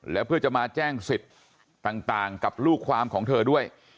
แล้วเพื่อจะมาแจ้งสิทธิ์ต่างกับลูกความของเธอด้วย